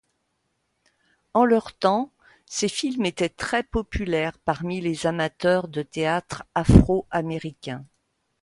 En leur temps, ces films étaient très populaires parmi les amateurs de théâtre afro-américains.